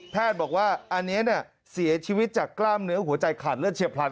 บอกว่าอันนี้เสียชีวิตจากกล้ามเนื้อหัวใจขาดเลือดเฉียบพลัน